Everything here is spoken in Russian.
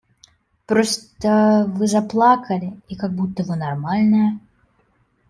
Просто Вы заплакали и как будто Вы нормальная.